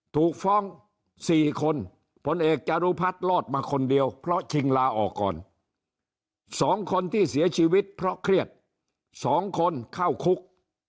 ถูกฟ้อง๔คนผลเอกจารุพัฒน์รอดมาคนเดียวเพราะชิงลาออกก่อน๒คนที่เสียชีวิตเพราะเครียด๒คนเข้าคุก